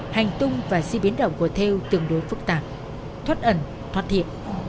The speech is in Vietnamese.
hành tung và di biến động của thêu tương đối phức tạp thoát ẩn thoát thiện